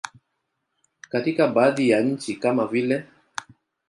Katika baadhi ya nchi kama vile.